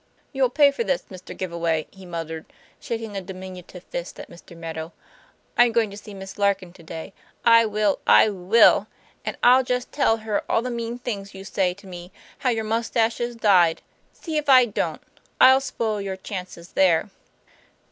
'You'll pay for this, Mr. Give away," he mut tered, shaking a diminutive fist at Mr. Meadow. ;' I'm going to see Miss Larkin to day I will, I will! and I'll just tell her all the mean things you say to me, how your mustache is dyed see if I don't, I'll spoil your chances there."